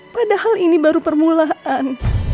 padahal ini baru permulaan